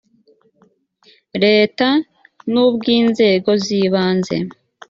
leta n ubw inzego z ibanze